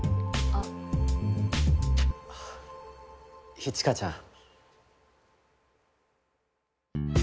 ああ一華ちゃん。